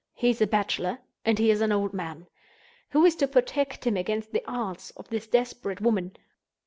He is a bachelor, and he is an old man. Who is to protect him against the arts of this desperate woman?